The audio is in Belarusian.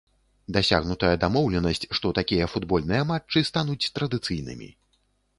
Дасягнутая дамоўленасць, што такія футбольныя матчы стануць традыцыйнымі.